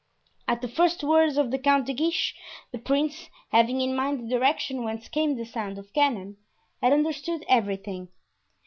At the first words of the Count de Guiche, the prince, having in mind the direction whence came the sound of cannon, had understood everything.